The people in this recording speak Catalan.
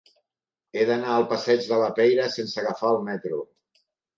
He d'anar al passeig de la Peira sense agafar el metro.